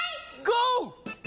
ゴー！